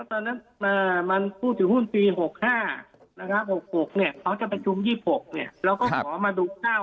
ทั้งหมด